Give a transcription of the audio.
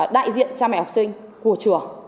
đại diện cha mẹ học sinh của trường